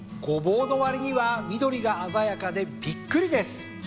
ごぼうの割には緑が鮮やかでびっくりです。